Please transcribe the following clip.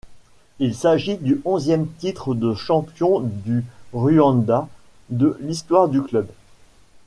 Il s’agit du onzième titre de champion du Rwanda de l’histoire du club.